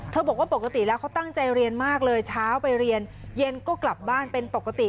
บอกว่าปกติแล้วเขาตั้งใจเรียนมากเลยเช้าไปเรียนเย็นก็กลับบ้านเป็นปกติ